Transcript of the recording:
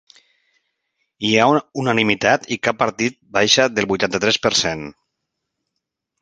Hi ha unanimitat i cap partit baixa del vuitanta-tres per cent.